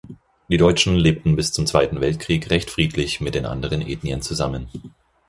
Die Deutschen lebten bis zum Zweiten Weltkrieg recht friedlich mit den anderen Ethnien zusammen.